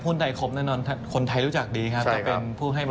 หุ้นไทยคมแน่นอนคนไทยรู้จักดีครับ